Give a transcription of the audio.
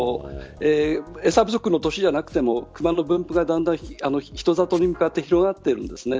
餌不足の年じゃなくてもクマの分布がだんだん人里に向かって広がっているんです。